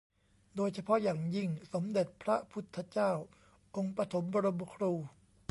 โดยเฉพาะอย่างยิ่ง สมเด็จพระพุทธเจ้าองค์ปฐมบรมครู